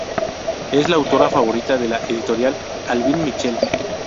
Es la autora favorita de la editorial Albin Michel.